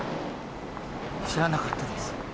知らなかったです。